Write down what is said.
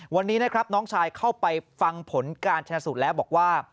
วันนี้นะครับน้องชายเข้าไปฟังผลการชนะสูตรแล้วบอกว่า